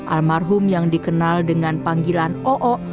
almarhum yang dikenal dengan panggilan oo